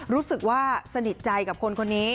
รู้สึกว่าสนิทใจกับคนคนนี้